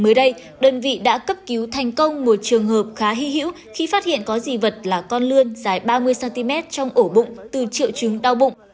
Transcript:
mới đây đơn vị đã cấp cứu thành công một trường hợp khá hy hữu khi phát hiện có dị vật là con lươn dài ba mươi cm trong ổ bụng từ triệu chứng đau bụng